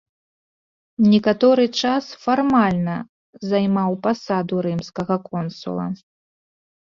Некаторы час фармальна займаў пасаду рымскага консула.